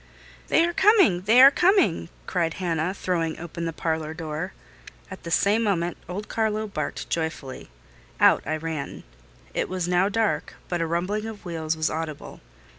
"They are coming! they are coming!" cried Hannah, throwing open the parlour door. At the same moment old Carlo barked joyfully. Out I ran. It was now dark; but a rumbling of wheels was audible.